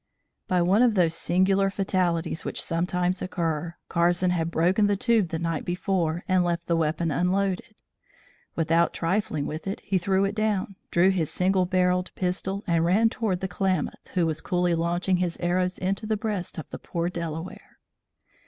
By one of those singular fatalities which sometimes occur, Carson had broken the tube the night before, and left the weapon unloaded. Without trifling with it, he threw it down, drew his single barrelled pistol and ran toward the Klamath, who was coolly launching his arrows into the breast of the poor Delaware.